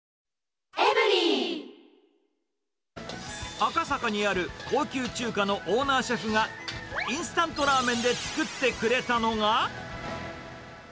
赤坂にある高級中華のオーナーシェフが、インスタントラーメンで作ってくれたのが。